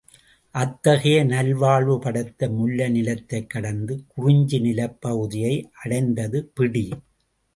அத்தகைய நல்வாழ்வு படைத்த முல்லை நிலத்தைக் கடந்து குறிஞ்சி நிலப் பகுதியை அடைந்தது பிடி.